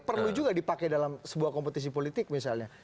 perlu juga dipakai dalam sebuah kompetisi politik misalnya